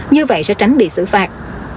như vậy sẽ tránh bị xử phạt